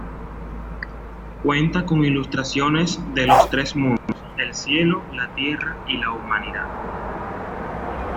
Cuenta con ilustraciones de "Los Tres Mundos", el cielo, la tierra y la humanidad.